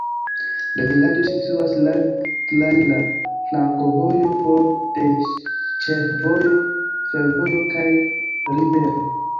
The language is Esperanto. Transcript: La vilaĝo situas laŭ traira flankovojo, for de ĉefvojo, fervojo kaj rivero.